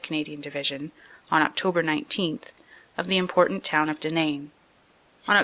Canadian Division on Oct. 19 of the important town of Denain. On Oct.